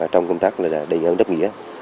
trong công tác này là đầy ngân đáp nghĩa